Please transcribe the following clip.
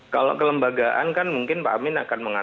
kalau kelembagaan kan mungkin pak amin akan mengatakan